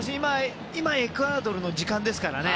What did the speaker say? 今、エクアドルの時間ですからね。